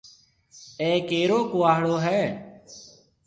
اَي ڪيرو ڪُهاڙو هيَ؟